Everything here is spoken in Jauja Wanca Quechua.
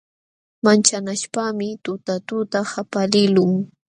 Manchanaśhpaqmi tutatuta qapaliqlun.